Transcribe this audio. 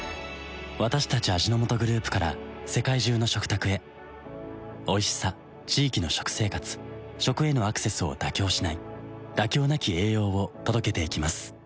私たち味の素グループから世界中の食卓へおいしさ地域の食生活食へのアクセスを妥協しない「妥協なき栄養」を届けていきます